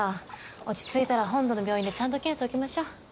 落ち着いたら本土の病院でちゃんと検査受けましょう。